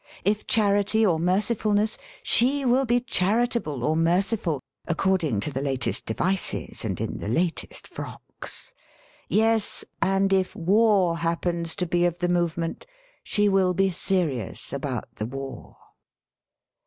If charity or mercifulness, she will be charitable or merciful according to the latest devices and in the latest frocks. Yes, and if war happens to be of the movement, she will be serious about the war.